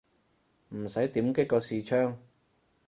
唔使點擊個視窗